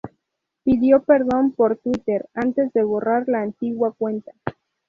Pidió perdón por Twitter antes de borrar la antigua cuenta.